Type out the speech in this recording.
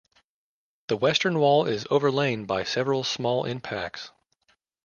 The western wall is overlain by several small impacts.